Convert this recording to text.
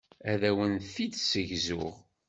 Ad awen-t-id-ssegzuɣ.